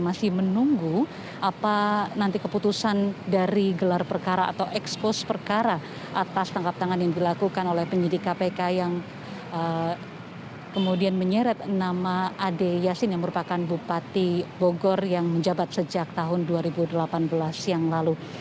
masih menunggu apa nanti keputusan dari gelar perkara atau ekspos perkara atas tangkap tangan yang dilakukan oleh penyidik kpk yang kemudian menyeret nama ade yasin yang merupakan bupati bogor yang menjabat sejak tahun dua ribu delapan belas yang lalu